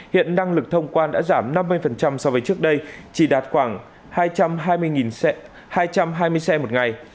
hiện năng lực thông quan đã giảm năm mươi so với trước đây chỉ đạt khoảng hai trăm hai mươi xe một ngày